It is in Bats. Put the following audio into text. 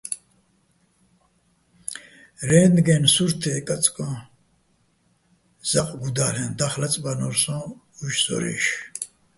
რენდგენ სურთე კაწკო́ჼ ზაყ გუდა́ლ'ეჼ, და́ხაჸ ლაწბანო́რ სოჼ უჲში̆ ზორა́ჲში̆.